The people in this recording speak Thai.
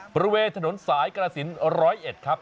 บริเวณถนนสายกรสิน๑๐๑ครับ